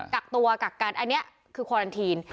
กักตัวกักกันอันนี้คือคอรันทีน